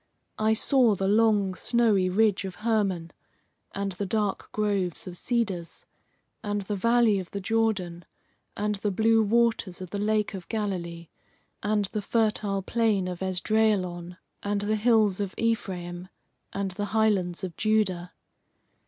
I saw the long, snowy ridge of Hermon, and the dark groves of cedars, and the valley of the Jordan, and the blue waters of the Lake of Galilee, and the fertile plain of Esdraelon, and the hills of Ephraim, and the highlands of Judah.